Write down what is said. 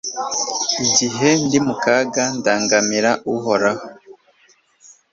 igihe ndi mu kaga, ndangamira uhoraho